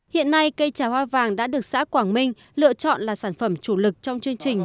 hiện nay cây trà hoa vàng đã được xã quảng minh lựa chọn là sản phẩm chủ lực trong chương trình